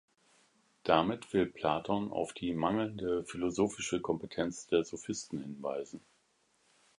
Damit will Platon auf die mangelnde philosophische Kompetenz der Sophisten hinweisen.